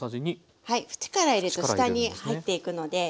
縁から入れると下に入っていくので。